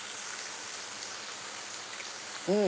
うん！